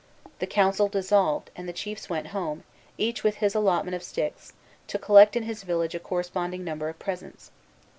The council dissolved, and the chiefs went home, each with his allotment of sticks, to collect in his village a corresponding number of presents.